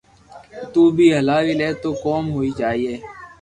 تو بي ھلاوي لي تو ڪوم ھوئي جائي